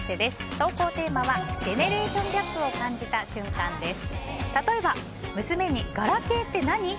投稿テーマはジェネレーションギャップを感じた瞬間です。